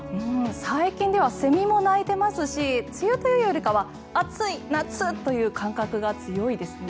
最近ではセミも鳴いていますし梅雨というよりかは暑い夏という感覚が強いですね。